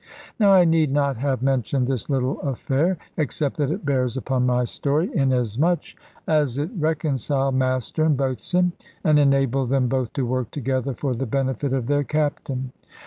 Now I need not have mentioned this little affair, except that it bears upon my story, inasmuch as it reconciled Master and boatswain, and enabled them both to work together for the benefit of their Captain.